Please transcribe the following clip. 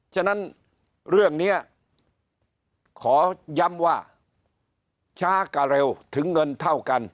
ฉะนั้นเรื่องนี้ขอย้ำว่าช้ากับเร็วถึงเงินเท่ากัน